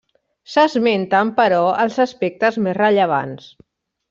S'esmenten, però, els aspectes més rellevants.